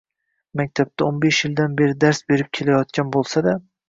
Maktabda o'n besh yildan beri dars berib kelayotgan bo‘lsada